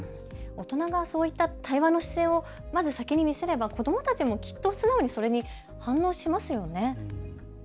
大人がそういった対話の姿勢をまず先に見せれば子どもたちもきっと素直にそれに反応しますよね。